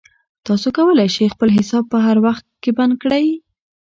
تاسو کولای شئ خپل حساب په هر وخت کې بند کړئ.